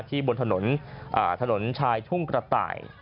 บนถนนถนนชายทุ่งกระต่าย